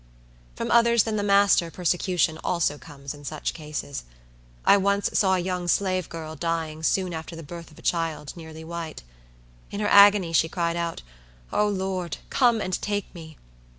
From others than the master persecution also comes in such cases. I once saw a young slave girl dying soon after the birth of a child nearly white. In her agony she cried out, "O Lord, come and take me!"